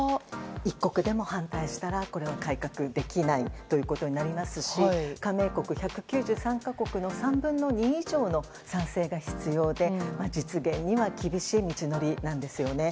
一刻でも反対したら、これは改革できないことになりますし加盟国１９３か国の３分の２以上の賛成が必要で実現には厳しい道のりなんですよね。